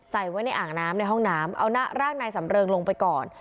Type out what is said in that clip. ใส่ไว้ในอ่างน้ำในห้องน้ำเอาร่างนายสำเริงลงไปก่อน